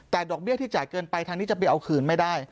แต่ดอกเบี้ยที่จ่ายเกินไปทางนี้จะไปเอาคืนไม่ได้